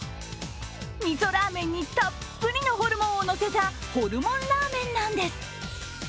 みそラーメンにたっぷりのホルモンをのせたホルモンラーメンなんです。